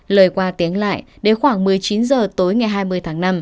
lời qua tiếng lại đến khoảng một mươi chín h tối ngày hai mươi tháng năm